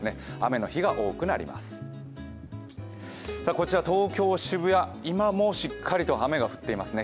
こちら東京・渋谷、今もしっかりと雨が降っていますね。